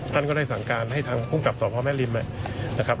ท่านก็ได้สั่งการให้ทางผู้กลับศพพระมแม่ริมนะครับ